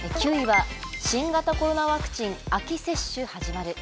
９位は、新型コロナワクチン、秋接種始まる。